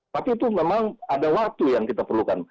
tapi itu memang ada waktu yang kita perlukan